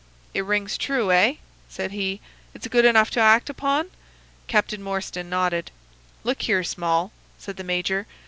"'It rings true, eh?' said he. 'It's good enough to act upon?' "Captain Morstan nodded. "'Look here, Small,' said the major.